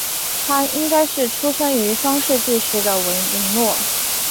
她应该是生于双树纪时的维林诺。